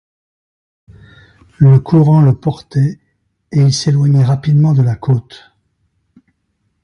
Le courant le portait, et il s’éloignait rapidement de la côte.